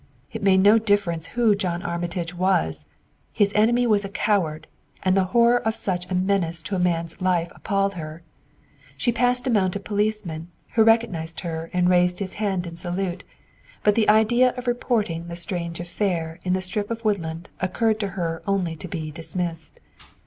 It made no difference who John Armitage was; his enemy was a coward, and the horror of such a menace to a man's life appalled her. She passed a mounted policeman, who recognized her and raised his hand in salute, but the idea of reporting the strange affair in the strip of woodland occurred to her only to be dismissed.